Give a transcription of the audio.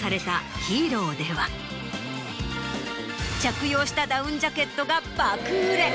着用したダウンジャケットが爆売れ。